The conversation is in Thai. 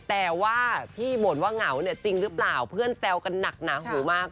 แต่ว่าที่บ่นว่าเหงาเนี่ยจริงหรือเปล่าเพื่อนแซวกันหนักหนาหูมาก